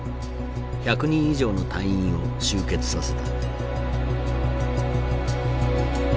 １００人以上の隊員を集結させた。